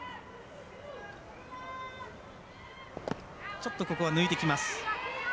ちょっとここは抜いてきます。